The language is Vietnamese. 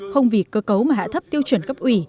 không vì cơ cấu mà hạ thấp tiêu chuẩn cấp ủy